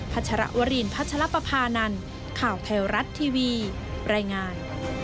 พัชรวรีนพัชรปภานันท์ข่าวแพลวรัตน์ทีวีแรงงาน